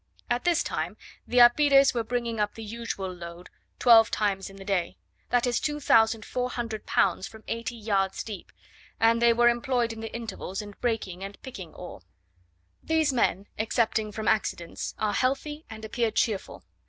At this time the apires were bringing up the usual load twelve times in the day; that is 2400 pounds from eighty yards deep; and they were employed in the intervals in breaking and picking ore. These men, excepting from accidents, are healthy, and appear cheerful.